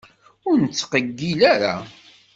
Ur nettqeggil ara.